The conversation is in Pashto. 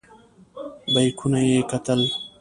بیکونه یې کتل.